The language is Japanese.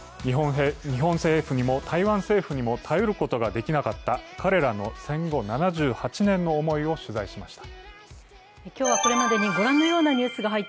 日本政府にも台湾政府にも頼ることができなかった彼らの戦後７８年の思いを取材しました。